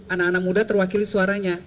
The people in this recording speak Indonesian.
anak anak muda terwakili suaranya